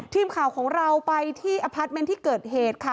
ทีมข่าวของเราไปที่อพาร์ทเมนต์ที่เกิดเหตุค่ะ